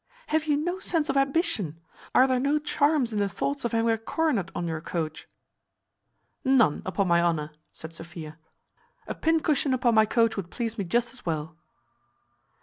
Have you no sense of ambition? Are there no charms in the thoughts of having a coronet on your coach?" "None, upon my honour," said Sophia. "A pincushion upon my coach would please me just as well."